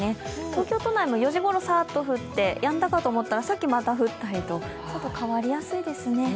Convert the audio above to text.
東京都内も４時ごろ、さーっと降って、やんだかと思ったらさっきまた降ったりとちょっと変わりやすいですね。